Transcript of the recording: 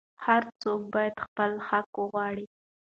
هر څوک باید خپل حق وغواړي.